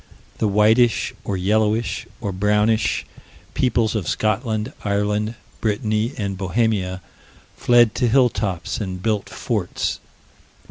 The whitish, or yellowish, or brownish peoples of Scotland, Ireland, Brittany, and Bohemia fled to hilltops and built forts.